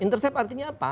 intercept artinya apa